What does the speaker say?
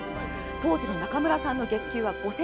当時の中村さんの月給は５０００円。